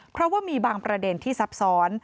เพราะว่ามีบางประเด็นที่ซับซ้อน